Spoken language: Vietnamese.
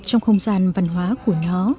trong không gian văn hóa của nó